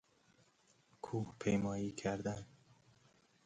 کوه پیمایی کردن